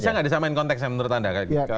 bisa tidak disamakan konteksnya menurut anda